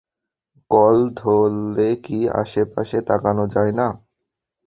Call ধরলে কি আশেপাশে তাকানো যায় না?